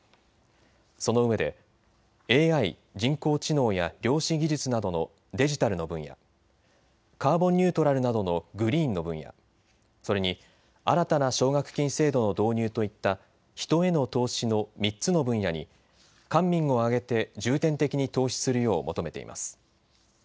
そのうえでＡＩ・人工知能や量子技術などのデジタルの分野、カーボンニュートラルなどのグリーンの分野、それに新たな奨学金制度の導入といった人への投資の３つの分野に官民を挙げて重点的に投資するよう求めています。